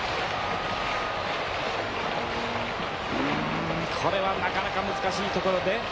うんこれはなかなか難しいところで。